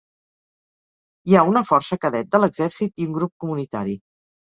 Hi ha una Força Cadet de l'Exèrcit i un grup comunitari.